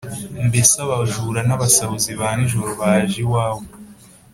mbese abajura n’abasahuzi ba nijoro baje iwawe,